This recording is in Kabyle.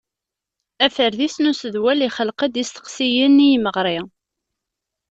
Aferdis n usedwel ixelleq-d isteqsiyen i yimeɣri.